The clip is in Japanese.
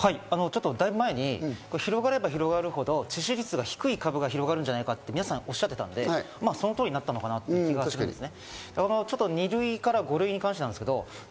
だいぶ前に広がれば広がるほど、致死率が低い株が広がるんじゃないかと皆さんおっしゃっていたので、その通りになったのかなと思いますね。